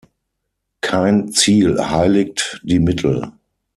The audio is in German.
Kein Ziel heiligt die Mittel.